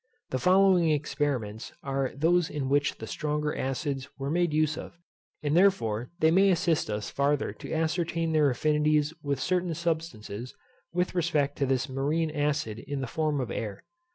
The following experiments are those in which the stronger acids were made use of, and therefore they may assist us farther to ascertain their affinities with certain substances, with respect to this marine acid in the form of air.